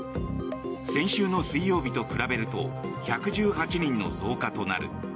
先週の水曜日と比べると１１８人の増加となる。